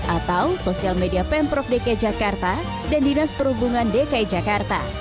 atau sosial media pemprov dki jakarta dan dinas perhubungan dki jakarta